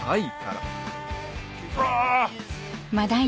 はい。